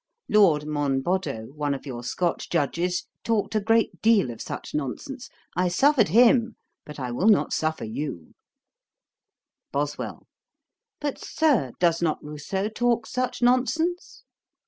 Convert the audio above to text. Lord Monboddo, one of your Scotch Judges, talked a great deal of such nonsense. I suffered him; but I will not suffer you.' BOSWELL. 'But, Sir, does not Rousseau talk such nonsense?'